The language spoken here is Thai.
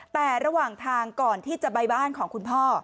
แต่ระหว่างทางก่อนที่จะไปบ้านของคุณพ่อ